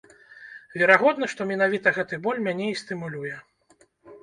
Верагодна, што менавіта гэты боль мяне і стымулюе.